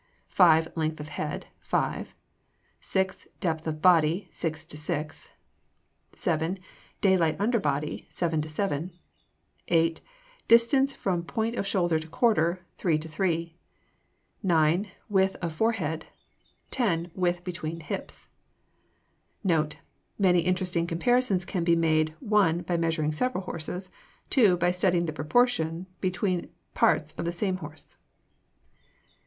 5. Length of head, 5. 6. Depth of body, 6 to 6. 7. Daylight under body, 7 to 7. 8. Distance from point of shoulder to quarter, 3 to 3. 9. Width of forehead. 10. Width between hips. NOTE. Many interesting comparisons can be made (1) by measuring several horses; (2) by studying the proportion between parts of the same horse.